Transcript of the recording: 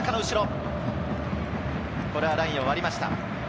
これはラインを割りました。